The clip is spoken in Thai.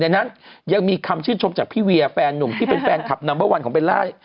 นั้นยังมีคำชื่นชมจากพี่เวียแฟนนุ่มที่เป็นแฟนคลับนัมเบอร์วันของเบลล่า